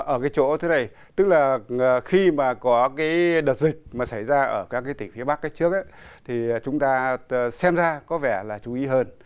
ở chỗ thế này khi đợt dịch xảy ra ở các tỉnh phía bắc trước chúng ta xem ra có vẻ là chú ý hơn